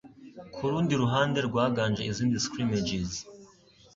kurundi ruhande rwaganje izindi scrimmages